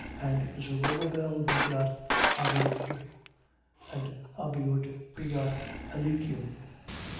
And Zorobabel begot Abiud. And Abiud begot Eliacim.